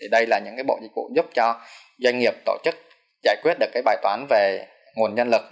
đây là những bộ dịch vụ giúp cho doanh nghiệp tổ chức giải quyết được bài toán về nguồn nhân lực